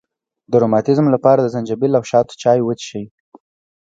د روماتیزم لپاره د زنجبیل او شاتو چای وڅښئ